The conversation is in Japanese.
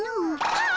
あっ。